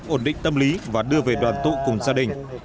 ổn định tâm lý và đưa về đoàn tụ cùng gia đình